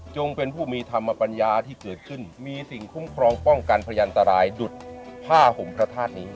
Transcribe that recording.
เป็นผู้มีธรรมปัญญาที่เกิดขึ้นมีสิ่งคุ้มครองป้องกันพยันตรายดุดผ้าห่มพระธาตุนี้